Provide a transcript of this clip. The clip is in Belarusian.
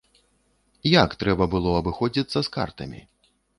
Як трэба было абыходзіцца з картамі?